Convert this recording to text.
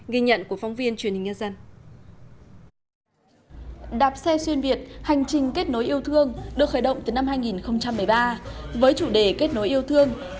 ghi nhận của phóng viên truyền hình nhân dân